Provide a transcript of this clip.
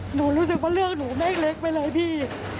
รู้สึกว่าเรื่องหนูไม่เล็กไปเลยพี่